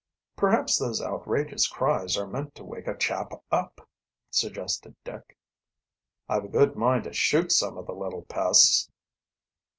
"Perhaps those outrageous cries are meant to wake a chap up," suggested Dick. "I've a good mind to shoot some of the little pests."